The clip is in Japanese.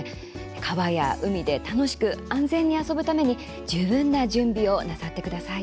川や海で楽しく安全に遊ぶために十分な準備をなさってください。